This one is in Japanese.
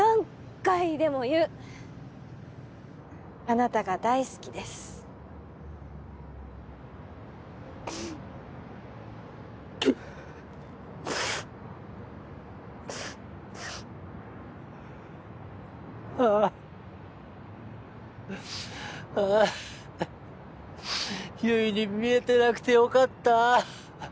回でも言うあなたが大好きですああああ悠依に見えてなくて良かったあ